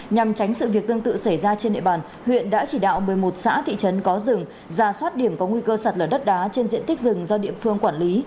nhằm tránh sự việc tương tự xảy ra trên địa bàn huyện đã chỉ đạo một mươi một xã thị trấn có rừng ra soát điểm có nguy cơ sạt lở đất đá trên diện tích rừng do địa phương quản lý